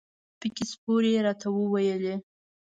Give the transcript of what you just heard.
سپکې سپورې یې راته وویلې.